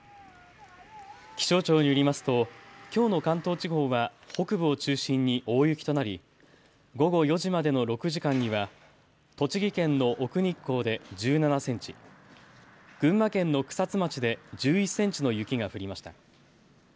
気象庁によりますときょうの関東地方は北部を中心に大雪となり午後４時までの６時間には栃木県の奥日光で１７センチ、群馬県の草津町で１１センチの雪が降りました。